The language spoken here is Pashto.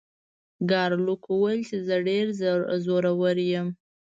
ګارلوک وویل چې زه ډیر زورور یم.